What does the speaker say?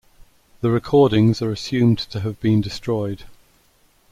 The recordings are assumed to have been destroyed.